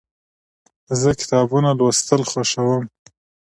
زه کتابونه لوستل خوښوم.